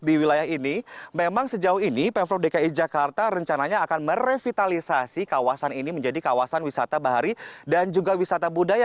di wilayah ini memang sejauh ini pemprov dki jakarta rencananya akan merevitalisasi kawasan ini menjadi kawasan wisata bahari dan juga wisata budaya